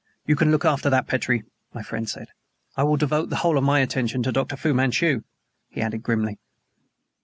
"You can look after that, Petrie," my friend said. "I will devote the whole of my attention to Dr. Fu Manchu!" he added grimly.